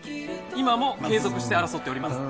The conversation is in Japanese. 「今も継続して争っております」